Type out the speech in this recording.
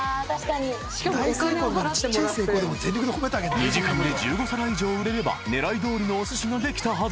［２時間で１５皿以上売れれば狙いどおりのおすしができたはず。